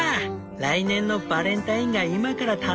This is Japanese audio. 来年のバレンタインが今から楽しみだワン！」。